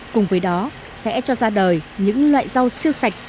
cùng với đó sẽ cho ra đời những loại rau siêu sạch